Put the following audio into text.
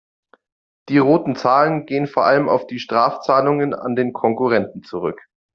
Die roten Zahlen gehen vor allem auf die Strafzahlungen an den Konkurrenten zurück.